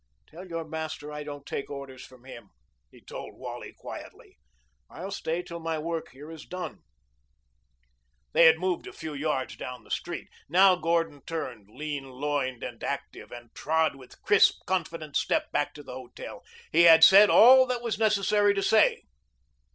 "Tell your master I don't take orders from him," he told Wally quietly. "I'll stay till my work here is done." They had moved a few yards down the street. Now Gordon turned, lean loined and active, and trod with crisp, confident step back to the hotel. He had said all that was necessary to say.